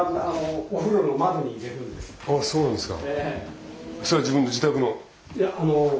ああそうなんですか。